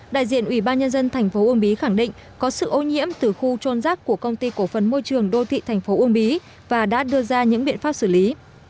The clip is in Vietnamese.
đại diện ủy ban nhân dân thành phố uông bí khẳng định có sự ô nhiễm từ khu trôn rác của công ty cổ phần môi trường đô thị thành phố uông bí và đã đưa ra những biện pháp xử lý